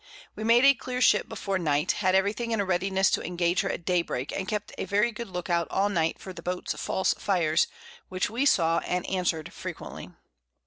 We made a clear Ship before Night, had every thing in a Readiness to engage her at Day break, and kept a very good Look out all Night for the Boat's false Fires, which we saw and answer'd frequently.